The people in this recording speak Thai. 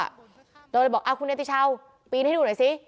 เราเลยบอกคุณเนติชาวปีนให้ดูหน่อยซิ